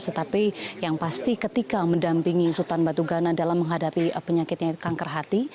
tetapi yang pasti ketika mendampingi sultan batu gana dalam menghadapi penyakitnya kanker hati